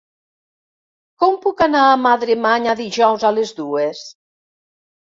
Com puc anar a Madremanya dijous a les dues?